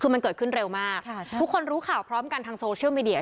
คือมันเกิดขึ้นเร็วมากทุกคนรู้ข่าวพร้อมกันทางโซเชียลมีเดีย